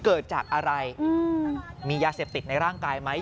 เกิดจากอะไรมียาเสพติดในร่างกายไหม